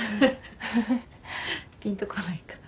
ピンとこないか。